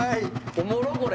おもろこれ。